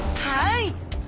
はい！